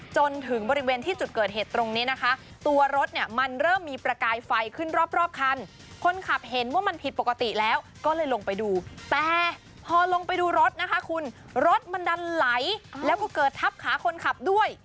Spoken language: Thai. จนถึงบริเวณที่จุดเกิดเหตุตรงนี้นะคะตัวรถเนี่ยมันเริ่มมีประกายไฟขึ้นรอบคันคนขับเห็นว่ามันผิดปกติแล้วก็เลยลงไปดูแต่พอลงไปดูรถนะคะคุณรถมันดันไหลแล้วก็เกิดทับขาคนขับด้วย